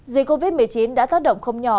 dịch covid một mươi chín đã tác động không nhỏ